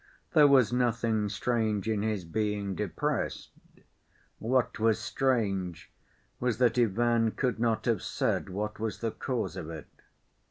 There was nothing strange in his being depressed; what was strange was that Ivan could not have said what was the cause of it.